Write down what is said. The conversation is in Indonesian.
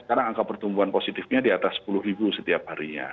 sekarang angka pertumbuhan positifnya di atas sepuluh ribu setiap harinya